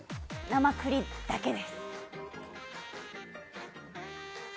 生クリームだけです。